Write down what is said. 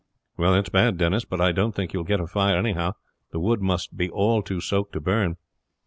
"That's bad, Denis; but I don't think you will get a fire anyhow. The wood must be all too soaked to burn."